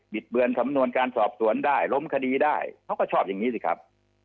เบือนสำนวนการสอบสวนได้ล้มคดีได้เขาก็ชอบอย่างนี้สิครับ